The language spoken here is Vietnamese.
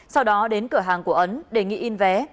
sau đó đến cửa hàng của ấn đề nghị in vé